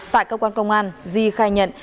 tại cơ quan công an di khai nhận